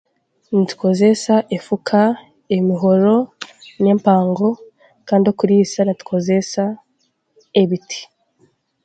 Nitukozesa efuka emihoro n'empango kandi okuriisa nitukozeesa ebiti